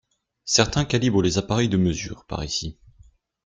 Certains calibrent les appareils de mesure, par ici